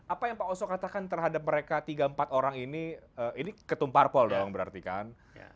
apa yang pak oso katakan terhadap mereka tiga empat orang ini ini ketumparpol dong berarti kan